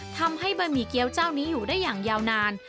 ทำให้บะหมี่เกี้ยวเจ้านี้อยู่ได้อย่างยาวนาน